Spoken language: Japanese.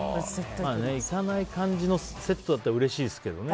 いかない感じのセットだったらうれしいですけどね。